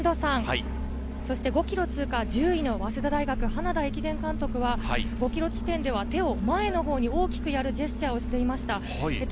そして５ｋｍ通過、１０位の早稲田大学・花田駅伝監督は５ｋｍ地点では手を前のほうに大きくやるジェスチャーをしていました。